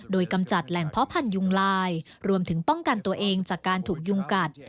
โดยกำจัดแหล่งเพาะพันธุยุงลายรวมถึงป้องกันตัวเองจากการถูกยุงกัด